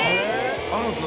あるんですか？